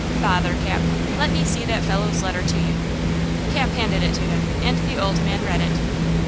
"Bother, Cap! Let me see that fellow's letter to you." Cap handed it to him and the old man read it.